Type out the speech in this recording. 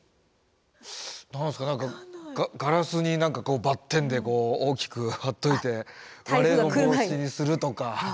何ですかガラスに何かバッテンで大きく貼っといて割れの防止にするとか。